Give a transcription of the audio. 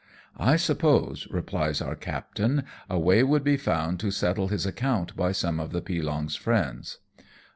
" I suppose," replies our captain, " a way would be found to settle his account by some of the pilong's friends."